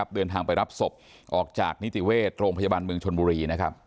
เดินทางไปรับศพออกจากนิติเวชโรงพยาบาลเมืองชนบุรี